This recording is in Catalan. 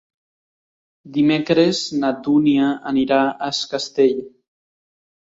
Dimecres na Dúnia anirà a Es Castell.